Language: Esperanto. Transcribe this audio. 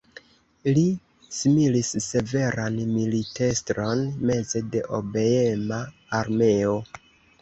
Li similis severan militestron meze de obeema armeo.